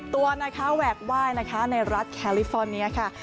ตัวนะคะแหวกไหว้นะคะในรัฐแคลิฟอร์เนียค่ะ